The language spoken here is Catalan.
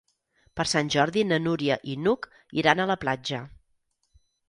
Per Sant Jordi na Núria i n'Hug iran a la platja.